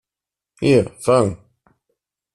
Hier, fang!